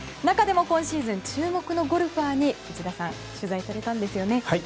中でも今シーズン注目のゴルファーに内田さん取材されたんですよね。